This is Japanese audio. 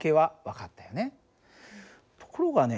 ところがね